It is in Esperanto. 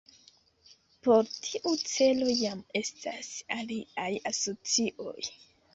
Por tiu celo jam estas aliaj asocioj.